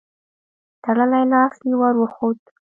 تړلی لاس يې ور وښود.